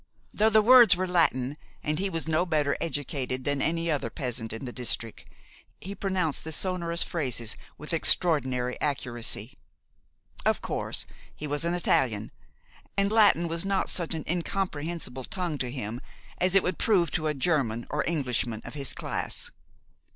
Though the words were Latin, and he was no better educated than any other peasant in the district, he pronounced the sonorous phrases with extraordinary accuracy. Of course, he was an Italian, and Latin was not such an incomprehensible tongue to him as it would prove to a German or Englishman of his class.